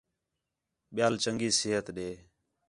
ٻِیال چَنڳی صِحت ݙے